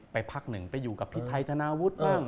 พักหนึ่งไปอยู่กับพี่ไทยธนาวุฒิบ้าง